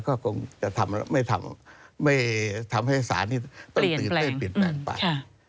ก็คงจะทำไม่ทำไม่ทำให้ศาลนี้ต้องตื่นเปลี่ยนแปลงไป